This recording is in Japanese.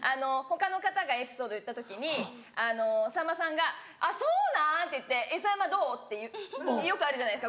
他の方がエピソード言った時にさんまさんが「あっそうなん磯山どう？」ってよくあるじゃないですか。